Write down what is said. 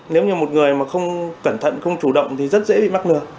nếu như một người mà không cẩn thận không chủ động thì rất dễ bị mắc lừa